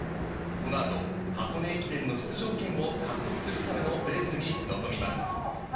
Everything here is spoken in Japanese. この後、箱根駅伝の出場権を獲得するためのレースに臨みます。